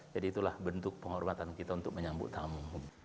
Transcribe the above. jadi itulah bentuk penghormatan kita untuk menyambut tamu